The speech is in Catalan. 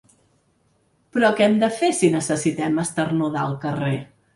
Però què hem de fer si necessitem esternudar al carrer?